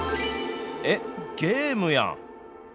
えっ、ゲームやん。